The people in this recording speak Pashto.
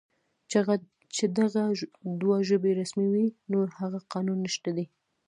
چې دغه دوه ژبې رسمي وې، نور هغه قانون نشته دی